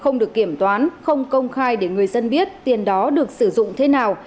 không được kiểm toán không công khai để người dân biết tiền đó được sử dụng thế nào